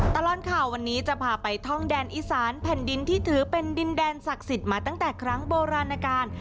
ตลอดข่าววันนี้จะพาไปท่องแดนอีสานแผ่นดินที่ถือเป็นดินแดนศักดิ์สิทธิ์มาตั้งแต่ครั้งโบราณการ